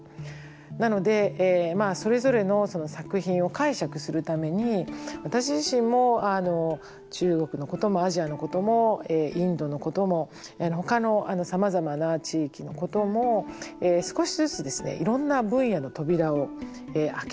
なのでそれぞれの作品を解釈するために私自身も中国のこともアジアのこともインドのこともほかのさまざまな地域のことも少しずついろんな分野の扉を開けてのぞいてきました。